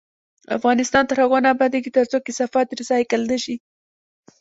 افغانستان تر هغو نه ابادیږي، ترڅو کثافات ریسایکل نشي.